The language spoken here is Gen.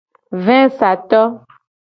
Vesato.